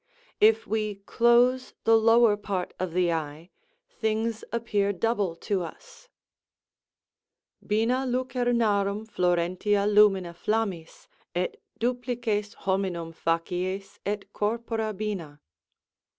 If we close the lower part of the eye things appear double to us: Bina lucemarum fiorentia lumina flammis... Et duplices hominum faciès, et corpora bina.